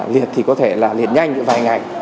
liệt thì có thể liệt nhanh vài ngày